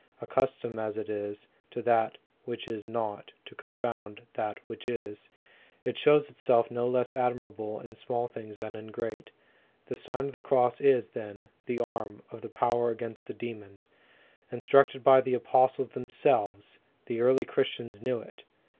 Accustomed as it is, to use that which is not, to confound that which is, it shows itself no less admirable in small things than in great. The Sign of the Cross is, then, the arm of power against the demon. Instructed by the apostles themselves, the early Christians knew it.